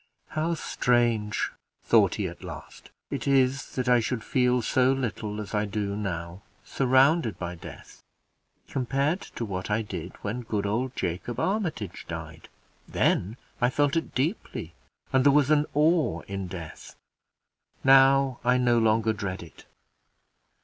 "How strange," thought he at last, "it is, that I should feel so little as I do now, surrounded by death, compared to what I did when good old Jacob Armitage died! Then I felt it deeply, and there was an awe in death. Now I no longer dread it.